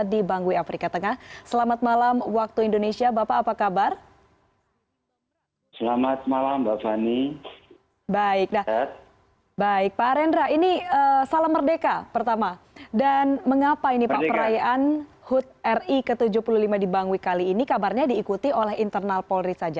dan mengapa ini pak perayaan hut ri ke tujuh puluh lima di bangui kali ini kabarnya diikuti oleh internal polri saja